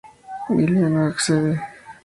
Giuliano accede.